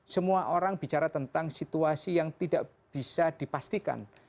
semua orang bicara tentang situasi yang tidak bisa dipastikan